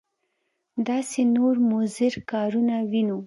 داسې نور مضر کارونه وینو.